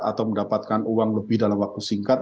atau mendapatkan uang lebih dalam waktu singkat